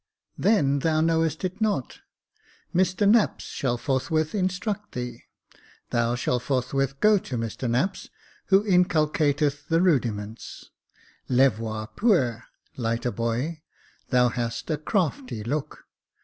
*' Then thou knowest it not. Mr Knapps shall forth with instruct thee. Thou shalt forthwith go to Mr Knapps, who inculcateth the rudiments. Levior Puer, lighter boy, thou hast a crafty look."